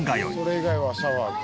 それ以外はシャワーか。